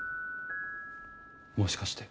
もしかして。